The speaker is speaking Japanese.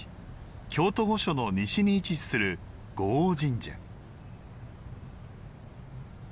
京都御所の西に位置する護王神社。